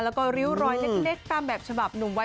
แล้วก็ริ้วรอยเล็กตามแบบฉบับหนุ่มไว้